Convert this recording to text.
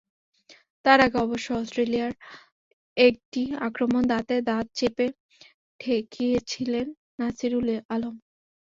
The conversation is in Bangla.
তার আগে অবশ্য অস্ট্রেলিয়ার একটি আক্রমণ দাঁতে দাঁত চেপেই ঠেকিয়েছিলেন নাসিরুল আলম।